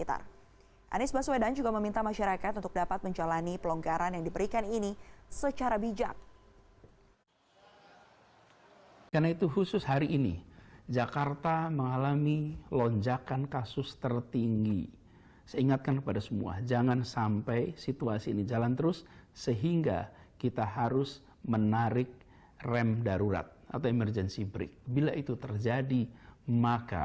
anies baswedan juga meminta masyarakat untuk dapat menjalani pelonggaran yang diberikan ini secara bijak